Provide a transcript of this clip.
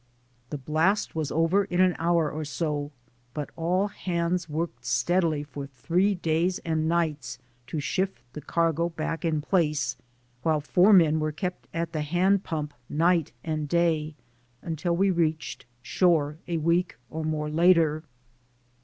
The blast was over in an hour or so, but all hands worked steadily for three days and nights to shift the cargo back in place, while four men were kept at the hand pump night and day until we reached shore a week or more later.